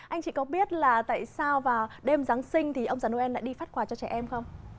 anh chị có biết là tại sao vào đêm giáng sinh thì ông già noel lại đi phát quà cho trẻ em không